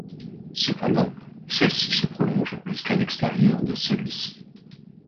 Cependant, celle-ci se prolonge jusqu'à l'extérieur de celui-ci.